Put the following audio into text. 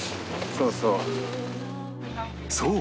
そうそう。